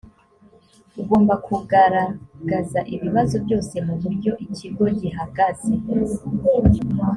ugomba kugaragaza ibibazo byose mu buryo ikigo gihagaze